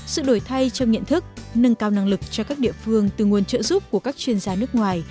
sự đổi thay trong nhận thức nâng cao năng lực cho các địa phương từ nguồn trợ giúp của các chuyên gia nước ngoài